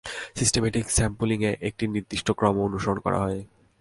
Systematic স্যাম্পলিংএ একটি নির্দিষ্ট ক্রম অনুসরণ করা হয়।